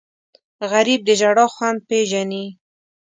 غریب د ژړا خوند پېژني